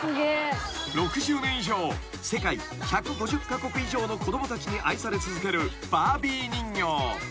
［６０年以上世界１５０カ国以上の子供たちに愛され続けるバービー人形］